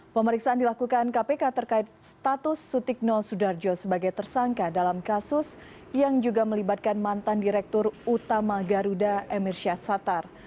pemeriksaan dilakukan kpk terkait status sutikno sudarjo sebagai tersangka dalam kasus yang juga melibatkan mantan direktur utama garuda emir syahsatar